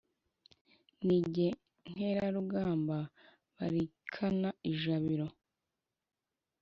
Ni jye nkerarugamba balirikana ijabiro